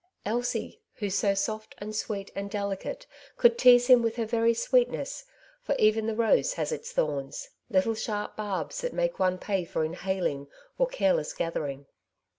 Elsie who, so soft and sweet and delicate, could tease him with her very sweetness — for even the rose has its thorns, little sharp barbs that make one pay for inhaling, or careless gather ing.